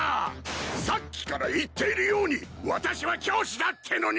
さっきから言っているように私は教師だってのに！